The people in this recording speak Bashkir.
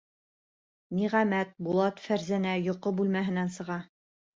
Ниғәмәт, Булат, Фәрзәнә йоҡо бүлмәһенән сыға.